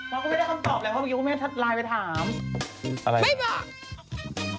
มันก็ไม่ได้คำตอบเลยเพราะว่าพวกมันให้ถัดไลน์ไปถาม